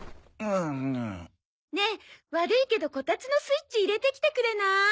ん？ねえ悪いけどこたつのスイッチ入れてきてくれない？